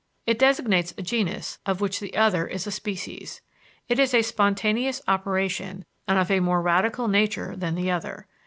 It designates a genus of which the other is a species. It is a spontaneous operation and of a more radical nature than the other.